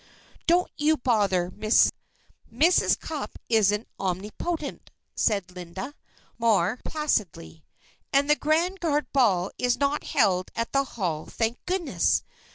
"Don't you bother, Miss. Mrs. Cupp isn't omnipotent," said Linda, more placidly. "And the Grand Guard Ball is not held at the Hall, thank goodness!